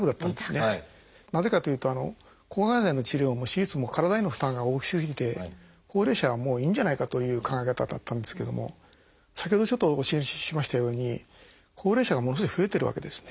なぜかというと抗がん剤の治療も手術も体への負担が大きすぎて高齢者はもういいんじゃないかという考え方だったんですけども先ほどちょっとお教えしましたように高齢者がものすごい増えてるわけですね。